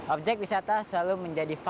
objek wisata selalu menjadi favori